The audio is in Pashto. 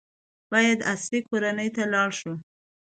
باید عصري کرنې ته لاړ شو.